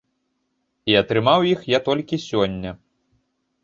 І атрымаў іх я толькі сёння.